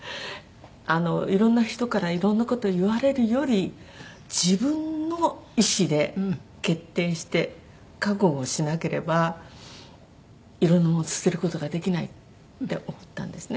いろんな人からいろんな事言われるより自分の意志で決定して覚悟をしなければいろんな物捨てる事ができないって思ったんですね。